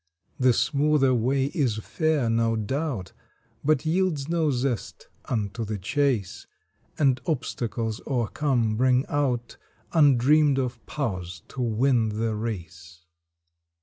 The smoother way is fair, no doubt, But yields no zest unto the chase, And obstacles o ercome bring out Undreamed of powers to win the race.